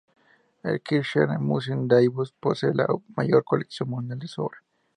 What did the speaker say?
El Kirchner Museum Davos posee la mayor colección mundial de su obra.